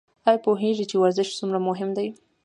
ایا پوهیږئ چې ورزش څومره مهم دی؟